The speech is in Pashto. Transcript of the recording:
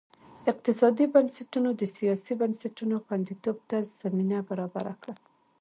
اقتصادي بنسټونو د سیاسي بنسټونو خوندیتوب ته زمینه برابره کړه.